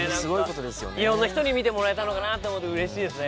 いろんな人に見てもらえたかなと思うと、うれしいですよね。